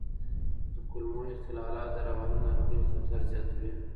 د کولمو اختلالات د رواني ناروغیو خطر زیاتوي.